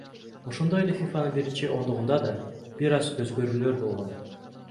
Ошондой эле ФИФАнын биринчи ондугунда да бир аз өзгөрүүлөр болгон.